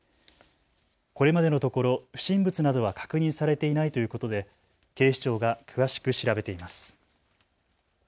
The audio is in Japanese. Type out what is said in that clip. これまでのところ不審物などは確認されていないということで警視庁が詳しく調べています。